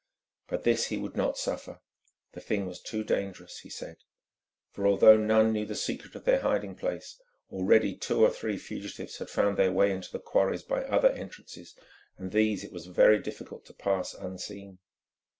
But this he would not suffer. The thing was too dangerous, he said; for although none knew the secret of their hiding place, already two or three fugitives had found their way into the quarries by other entrances, and these it was very difficult to pass unseen.